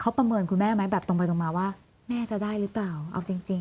เขาประเมินคุณแม่ไหมแบบตรงไปตรงมาว่าแม่จะได้หรือเปล่าเอาจริงจริง